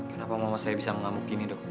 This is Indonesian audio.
kenapa mama saya bisa mengamuk gini dok